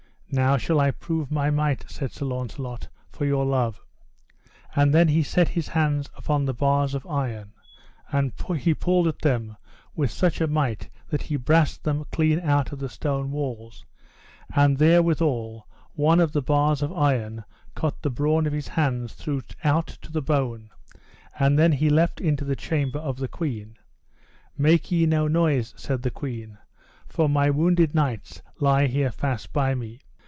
Now shall I prove my might, said Sir Launcelot, for your love; and then he set his hands upon the bars of iron, and he pulled at them with such a might that he brast them clean out of the stone walls, and therewithal one of the bars of iron cut the brawn of his hands throughout to the bone; and then he leapt into the chamber to the queen. Make ye no noise, said the queen, for my wounded knights lie here fast by me.